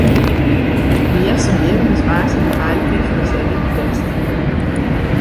By Easterbierrum is woansdei de feilichheid fan de seedyk test.